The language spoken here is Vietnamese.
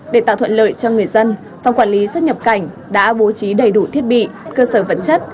để tạo thuận lợi cho người dân phòng quản lý xuất nhập cảnh đã bố trí đầy đủ thiết bị cơ sở vật chất